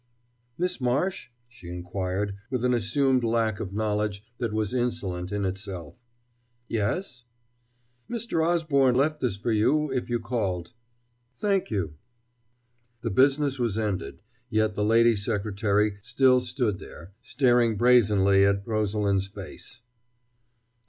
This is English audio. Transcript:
"Miss Marsh?" she inquired, with an assumed lack of knowledge that was insolent in itself. "Yes." "Mr. Osborne left this for you, if you called." "Thank you." The business was ended, yet the lady secretary still stood there, staring brazenly at Rosalind's face.